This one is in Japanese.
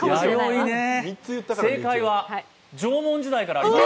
正解は縄文時代からあります。